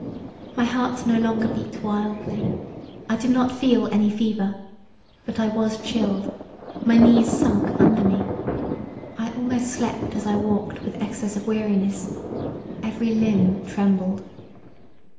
My heart no longer beat wildly; I did not feel any fever: but I was chilled; my knees sunk under me I almost slept as I walked with excess of weariness; every limb trembled.